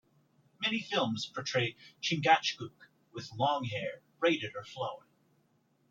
Many films portray Chingachgook with long hair, braided or flowing.